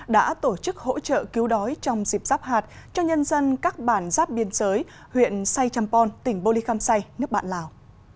đã tổ chức hỗ trợ cứu đói trong dịp giáp hạt cho nhân dân các bản giáp biên giới huyện say champon tỉnh bô ly khăm say nước bạn lào